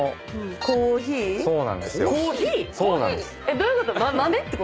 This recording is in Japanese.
どういうこと？